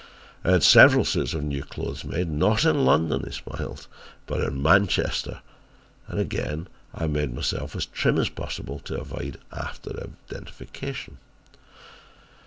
"I had several suits of new clothes made, not in London," he smiled, "but in Manchester, and again I made myself as trim as possible to avoid after identification.